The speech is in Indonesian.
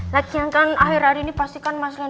lagi yang kan akhir akhir ini pasti kan mas lenton ya kan